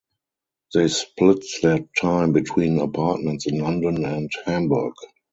They split their time between apartments in London and Hamburg.